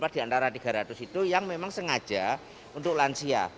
dua puluh empat di antara tiga ratus itu yang memang sengaja untuk lansia